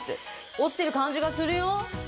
落ちてる感じがするよ。